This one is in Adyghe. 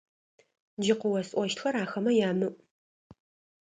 Джы къыосӀощтхэр ахэмэ ямыӀу!